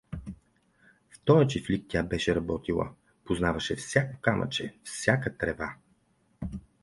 В тоя чифлик тя беше работила, познаваше всяко камъче, всяка трева.